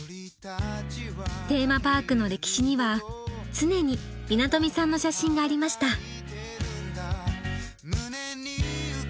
テーマパークの歴史には常に稲富さんの写真がありました。